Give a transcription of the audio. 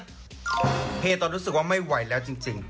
และเฮเมื่อรู้สึกกลัวอะไรมาก